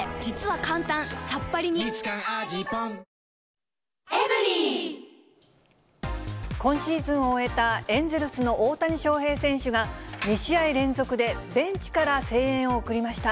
過去最大の補助金も今シーズンを終えたエンゼルスの大谷翔平選手が、２試合連続でベンチから声援を送りました。